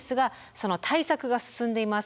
その対策が進んでいます。